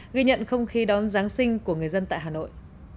ghi nhận không khí đón giáng sinh của người dân tại hà nội